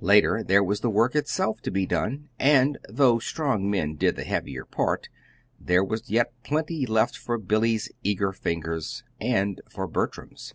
Later there was the work itself to be done, and though strong men did the heavier part, there was yet plenty left for Billy's eager fingers and for Bertram's.